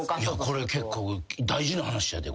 これ結構大事な話やで。